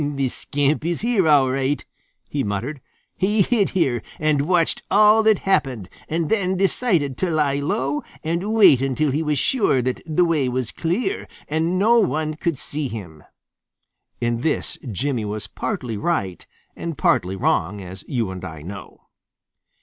"The scamp is here all right," he muttered. "He hid here and watched all that happened and then decided to lie low and wait until he was sure that the way was clear and no one would see him." In this Jimmy was partly right and partly wrong, as you and I know.